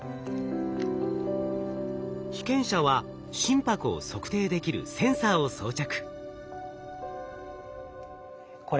被験者は心拍を測定できるセンサーを装着。